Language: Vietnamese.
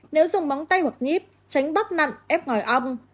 nếu dùng móng tay hoặc nhíp tránh bóp nặn ép ngoài ong